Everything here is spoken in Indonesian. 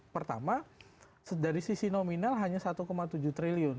pertama dari sisi nominal hanya satu tujuh triliun